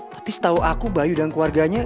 tapi setahu aku bayu dan keluarganya